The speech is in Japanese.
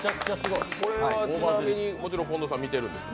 これはちなみに近藤さん見てるんですか？